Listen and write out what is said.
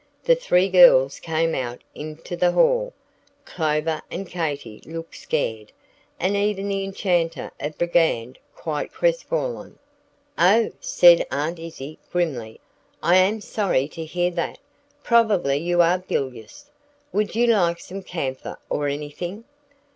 The three girls came out into the hall; Clover and Katy looking scared, and even the Enchanter of the Brigand quite crest fallen. "Oh," said Aunt Izzie, grimly, "I am sorry to hear that. Probably you are bilious. Would you like some camphor or anything?"